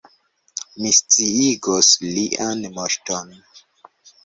Mi sciigos Lian Moŝton.